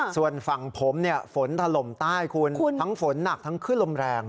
ส่วนฝั่งผมฝนถล่มใต้คุณทั้งฝนหนักทั้งขึ้นลมแรง